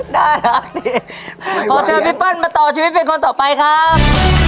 น่ารักดิขอเจอพี่เปิ้ลมาต่อชีวิตเป็นคนต่อไปครับ